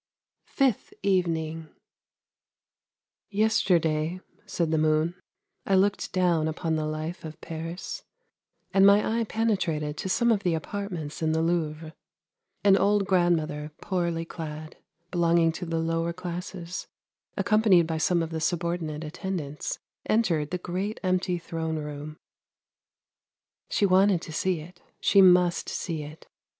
FIFTH EVENING :' Yesterday," said the moon, " I looked down upon the life of Paris, and my eye penetrated to some of the apartments in the Louvre. An old grandmother poorly clad, belonging to the lower classes, accompanied by some of the subordinate attendants entered the great empty throne room. She wanted to see it, she must see it!